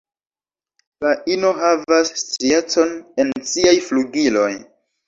La ino havas striecon en siaj flugiloj.